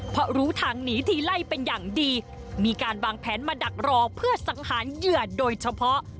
เพราะรู้ทางหนีทีไล่เป็นอย่างดีมีการวางแผนมาดักรอเพื่อสังหารเหยื่อโดยเฉพาะ